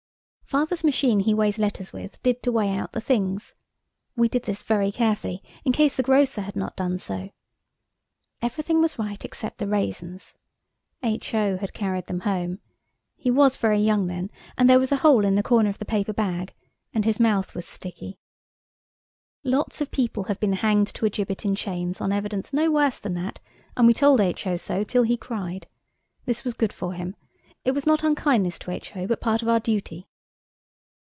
Father's machine he weighs letters with did to weigh out the things. We did this very carefully, in case the grocer had not done so. Everything was right except the raisins. H.O. had carried them home. He was very young then, and there was a hole in the corner of the paper bag and his mouth was sticky. Lots of people have been hanged to a gibbet in chains on evidence no worse than that, and we told H.O. so till he cried. This was good for him. It was not unkindness to H.O., but part of our duty.